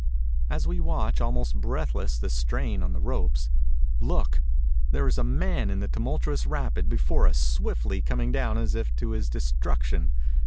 As we watch almost breathless the strain on the ropes, look! there is a man in the tumultuous rapid before us swiftly coming down as if to his destruction.